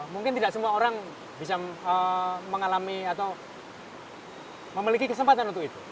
mungkin tidak semua orang bisa mengalami atau memiliki kesempatan untuk itu